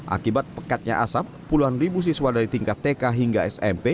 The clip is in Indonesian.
akibat pekatnya asap puluhan ribu siswa dari tingkat tk hingga smp